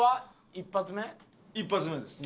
一発目です。